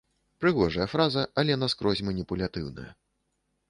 Прыгожая фраза, але наскрозь маніпулятыўная.